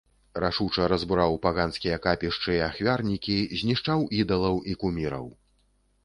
Рашуча разбураў паганскія капішчы і ахвярнікі, знішчаў ідалаў і куміраў.